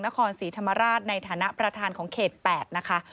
นครศรีธรรมราชในฐานะประธานของเขต๘นะคะ